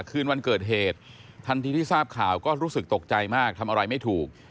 คืนวันเกิดเหตุทันทีที่ทราบข่าวก็รู้สึกตกใจมากทำอะไรไม่ถูก